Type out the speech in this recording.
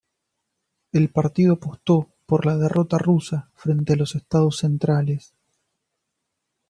El partido apostó por la derrota rusa frente a los estados centrales.